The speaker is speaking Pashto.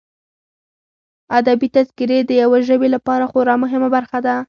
ادبي تذکرې د یوه ژبې لپاره خورا مهمه برخه ده.